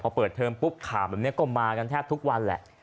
พอเปิดเทอมปุ๊บข่าวแบบนี้ก็มากันแทบทุกวันแหละ